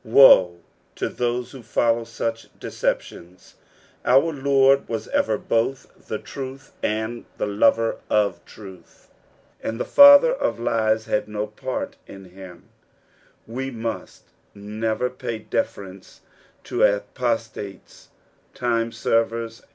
Woe to those who follow such deceptions. Oar Lord was ever both the truth and thti lover of truth, and the father of lies had no part in him, "We must never pay deference to apostates, time servers.